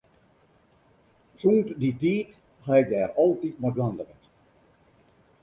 Sûnt dy tiid ha ik dêr altyd mei dwaande west.